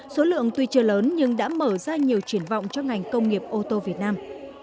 số lượng tuy chưa lớn nhưng đã mở ra nhiều triển vọng cho ngành công nghiệp ô tô việt nam